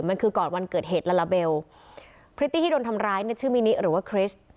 มันคือก่อนวันเกิดเหตุลาลาเบลพริตตี้ที่โดนทำร้ายเนี่ยชื่อมินิหรือว่าคริสต์